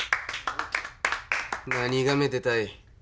何がめでたい。